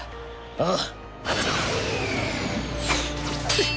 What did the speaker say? ああ。